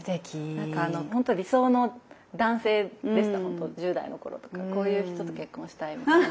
ほんと理想の男性でした１０代の頃とかこういう人と結婚したいみたいな。